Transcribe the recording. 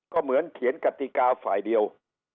ก็เหมือนเขียนกติกาฝ่ายเดียว